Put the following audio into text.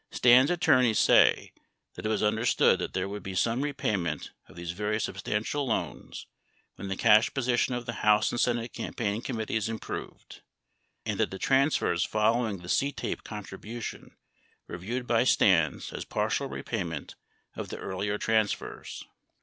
Stans' attorneys say that it was understood that there would be some repayment of these very substantial loans when the cash position of the House and Senate campaign committees improved, and that the transfers following the CTAPE contribution were viewed by Stans as partial repayment of the earlier transfers.